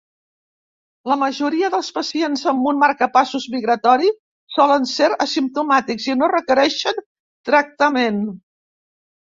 La majoria dels pacients amb un marcapassos migratori solen ser asimptomàtics i no requereixen tractament.